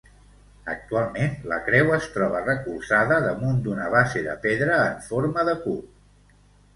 Actualment la creu es troba recolzada damunt d'una base de pedra en forma de cub.